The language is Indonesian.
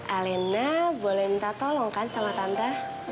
alena boleh minta tolong kan sama tante